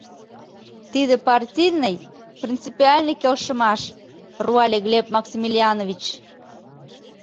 — Тиде партийный, принципиальный келшымаш, — руале Глеб Максимилианович.